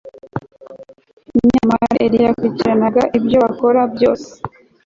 Nyamara Eliya yakurikiranaga ibyo bakora byose